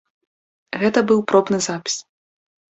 Гэта быў пробны запіс.